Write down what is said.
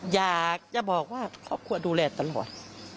อยากจะบอกว่าครอบครัวดูแลตลอด